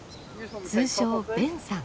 通称ベンさん。